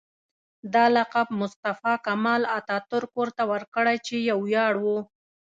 دا لقب مصطفی کمال اتاترک ورته ورکړ چې یو ویاړ و.